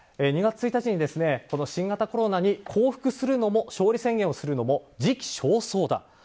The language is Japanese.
２月１日に新型コロナに降伏するのも勝利宣言をするのも時期尚早だ。